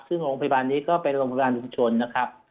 ซึ่งโรงพยาบาลนี้ก็เป็นโรงพยาบาลชุมชนนะครับ